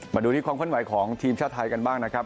มาดูที่ความเคลื่อนไหวของทีมชาติไทยกันบ้างนะครับ